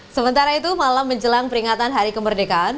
sementara itu malam menjelang peringatan hari kemerdekaan